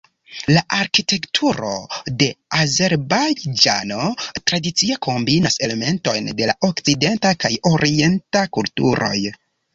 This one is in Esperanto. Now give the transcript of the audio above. La arkitekturo de Azerbajĝano tradicie kombinas elementojn de la okcidenta kaj orienta kulturoj.